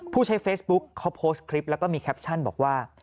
ผู้ใช้เฟซบุ๊คเขาโพสต์คลิปแล้วก็มีแคปชั่นบอกว่า